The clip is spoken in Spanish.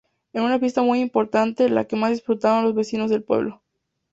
Es una fiesta muy importante, la que más disfrutan los vecinos del pueblo.